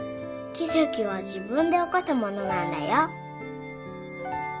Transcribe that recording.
キセキは自分で起こすものなんだよ。